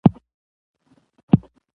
او پر ځمکه یې پړ مخې سملاوه